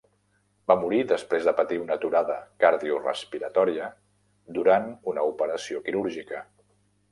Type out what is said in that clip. Va morir després de patir una aturada cardiorespiratòria durant una operació quirúrgica.